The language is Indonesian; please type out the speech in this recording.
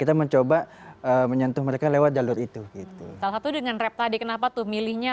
kita mencoba menyentuh mereka lewat jalur itu gitu salah satu dengan rap tadi kenapa tuh milihnya